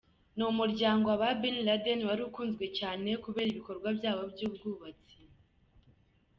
Ni umuryango w’aba Bin Laden wari ukuzi cyane kubera ibikorwa byabo by’ubwubatsi.